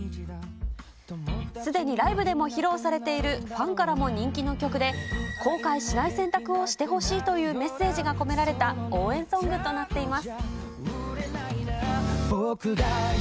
すでにライブでも披露されているファンからも人気の曲で、後悔しない選択をしてほしいというメッセージが込められた応援ソングとなっています。